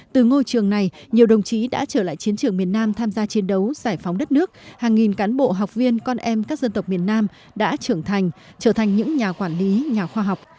từ ngôi trường này nhiều đồng chí đã trở lại chiến trường miền nam tham gia chiến đấu giải phóng đất nước hàng nghìn cán bộ học viên con em các dân tộc miền nam đã trưởng thành trở thành những nhà quản lý nhà khoa học